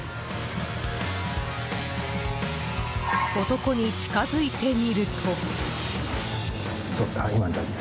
男に近づいてみると。